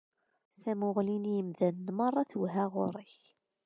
Tamuɣli n yimdanen meṛṛa twehha ɣur-k.